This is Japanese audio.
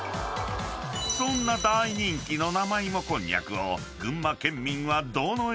［そんな大人気の生いもこんにゃくを］